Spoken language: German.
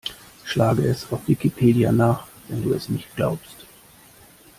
Schlage es auf Wikipedia nach, wenn du es nicht glaubst!